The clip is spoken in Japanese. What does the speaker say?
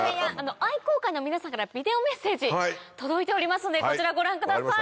愛耕会の皆さんからビデオメッセージ届いておりますのでこちらご覧ください。